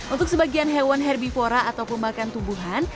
untuk sebagian hewan herbivora atau pemakan tumbuhan